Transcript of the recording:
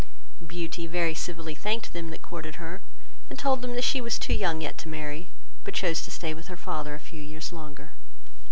Beauty very civilly thanked them that courted her, and told them she was too young yet to marry, but chose to stay with her father a few years longer.